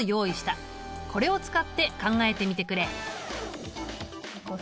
これを使って考えてみてくれ。